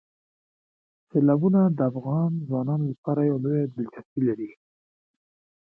سیلابونه د افغان ځوانانو لپاره یوه لویه دلچسپي لري.